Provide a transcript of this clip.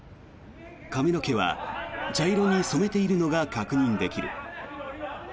髪の毛は茶色に染めているのが確認できる。